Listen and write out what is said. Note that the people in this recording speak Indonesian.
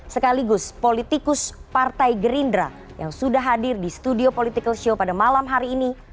sekaligus politikus partai gerindra yang sudah hadir di studio political show pada malam hari ini